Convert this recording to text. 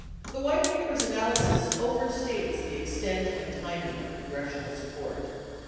The White Paper's analysis overstates the extent and timing of congressional support.